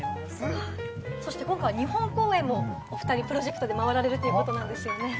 今回、日本公演もおふたり、プロジェクトで回られるということですよね。